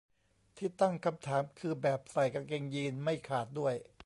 ที่ตั้งคำถามคือแบบ ใส่กางเกงยีนส์ไม่ขาดด้วย